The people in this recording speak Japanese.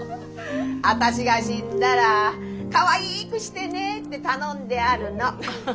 あたしが死んだらかわいくしてねって頼んであるの。